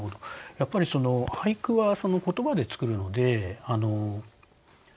やっぱり俳句は言葉で作るので。